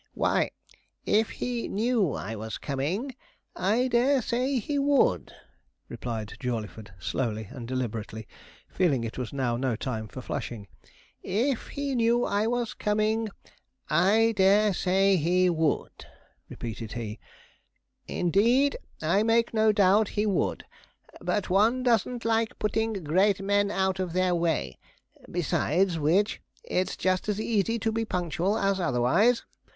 'Why, if he knew I was coming, I dare say he would,' replied Jawleyford slowly and deliberately, feeling it was now no time for flashing. 'If he knew I was coming I dare say he would,' repeated he; 'indeed, I make no doubt he would: but one doesn't like putting great men out of their way; besides which, it's just as easy to be punctual as otherwise.